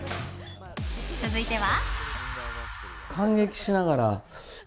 続いては。